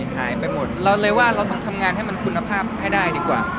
หายไปหมดเราเลยว่าเราต้องทำงานให้มันคุณภาพให้ได้ดีกว่า